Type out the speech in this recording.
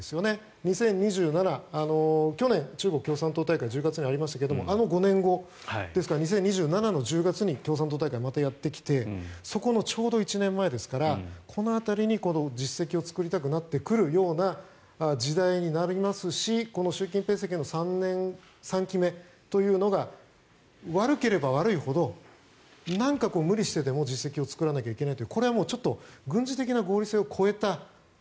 ２０２７去年、中国共産党大会が１０月にありましたがあの５年後ですから２０２７年の１０月に共産党大会、またやってきてそこのちょうど１年前ですからこの辺りに実績を作りたくなってくるような時代になりますしこの習近平政権の３期目というのが悪ければ悪いほどなんか無理してでも実績を作らなきゃいけないというちょっと軍事的合理性を超えた